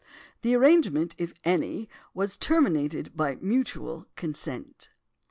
The arrangement, if any, was terminated by mutual consent.